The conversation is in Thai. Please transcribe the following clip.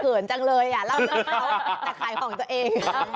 จังเลยอ่ะเล่าเรื่องเขาแต่ขายของตัวเอง